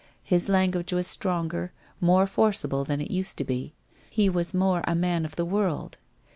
His language was stronger, more forcible than it used to be; he was more of a man of the world.